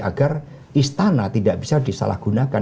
agar istana tidak bisa disalah gunakan